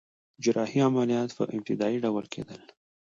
جراحي عملیات په ابتدایی ډول کیدل